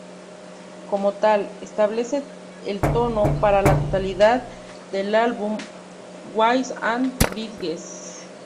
Como tal, establece el tono para la totalidad del álbum "Walls and Bridges".